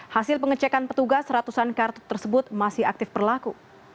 hasil pengecekan petugas ratusan kartu tersebut masih aktif berlaku